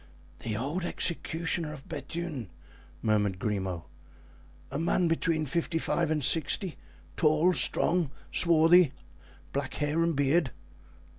"The old executioner of Bethune," muttered Grimaud; "a man between fifty five and sixty, tall, strong, swarthy, black hair and beard?"